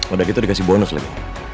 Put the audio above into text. udah gitu dikasih bonus lebih